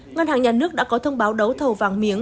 ngân hàng nhà nước đã có thông báo đấu thầu vàng miếng